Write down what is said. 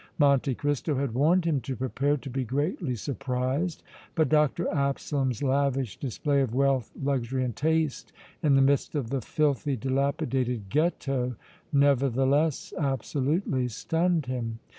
Monte Cristo had warned him to prepare to be greatly surprised, but Dr. Absalom's lavish display of wealth, luxury and taste in the midst of the filthy, dilapidated Ghetto, nevertheless, absolutely stunned him.